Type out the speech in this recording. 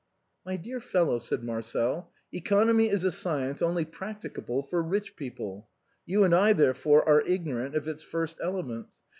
" My dear fellow," said Marcel, " economy is a science only practicable for rich people; you and I, therefore, are ignorant of its first elements.